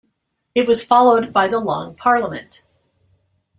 It was followed by the Long Parliament.